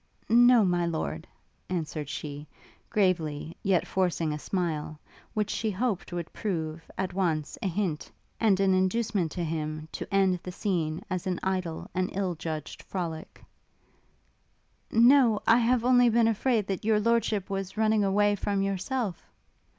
'No, my lord,' answered she, gravely, yet forcing a smile, which she hoped would prove, at once, a hint, and an inducement to him to end the scene as an idle and ill judged frolic; 'No; I have only been afraid that your lordship was running away from yourself!'